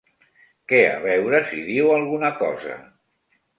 Que a veure si diu alguna cosa.